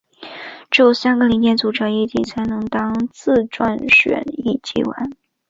只有三个零件组成一体才能当自转旋翼机玩。